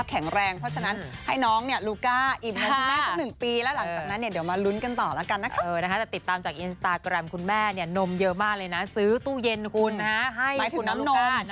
ยังไม่มีคระตอนนี้ขอชักปีหนึ่งก่อน